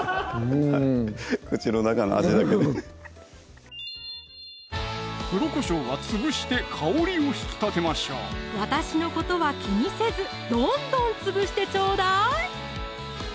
口の中の味だけでうん黒こしょうは潰して香りを引き立てましょう私のことは気にせずどんどん潰してちょうだい！